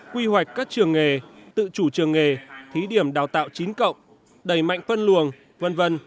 quy hoạch các trường nghề tự chủ trường nghề thí điểm đào tạo chín cộng đầy mạnh phân luồng v v